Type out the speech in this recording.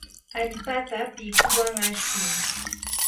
allpata pikuwan ashpii.